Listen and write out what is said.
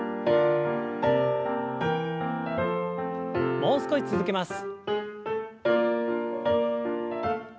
もう少し続けます。